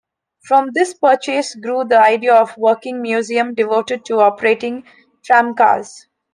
From this purchase grew the idea of a working museum devoted to operating tramcars.